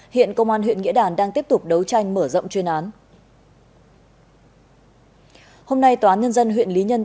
hiện công an huyện nghĩa đàn đang tiếp tục đấu tranh mở rộng chuyên án